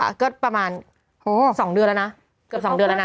ก็ประมาณ๒เดือนแล้วนะเกือบ๒เดือนแล้วนะ